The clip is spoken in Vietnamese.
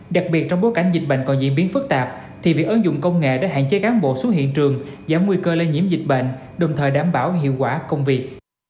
đặc biệt trong bối cảnh dịch bệnh còn diễn biến phức tạp thì việc ứng dụng công nghệ đã hạn chế cán bộ xuống hiện trường giảm nguy cơ lây nhiễm dịch bệnh đồng thời đảm bảo hiệu quả công việc